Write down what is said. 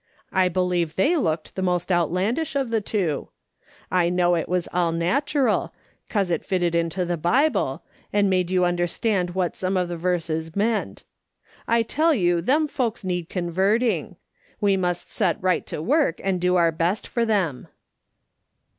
I believe they looked the most outlandish of the two. I know it was all natural, cause it fitted into the Bible, and made you understand what some of the verses meant. I tell you them folks need converting. "VVe must set right to work and do our best for them.